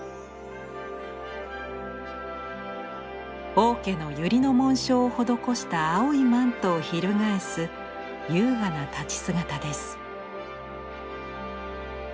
王家のユリの紋章を施した青いマントを翻す優雅な立ち姿です。